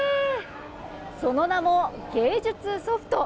その名も芸術ソフト。